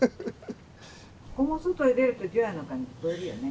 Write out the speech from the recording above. ここも外へ出ると除夜の鐘聞こえるよね。